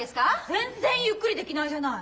全然ゆっくりできないじゃない。